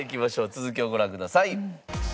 続きをご覧ください。